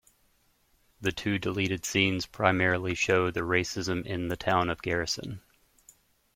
The two deleted scenes primarily show the racism in the town of Garrison.